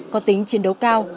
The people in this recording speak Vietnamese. có tính chiến đấu cao